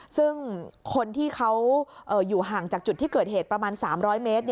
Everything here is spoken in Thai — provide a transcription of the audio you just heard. ซึ่งคนที่เขาอยู่ห่างจากจุดที่เกิดเหตุประมาณ๓๐๐เมตร